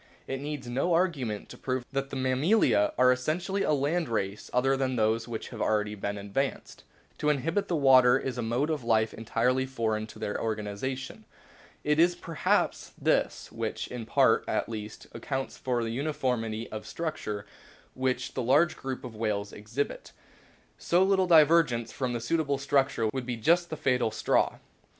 It needs no arguments to prove that the Mammalia are essentially a land race other than those which have already been advanced. To inhabit the water is a mode of life entirely foreign to their organisation. It is perhaps this which, in part at least, accounts for the uniformity of structure which the large group of whales exhibits. So little divergence from the suit able structure would be just the fatal straw.